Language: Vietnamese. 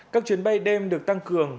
các chuyến bay đêm được tăng cường